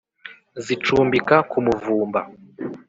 zicumbika ku muvumba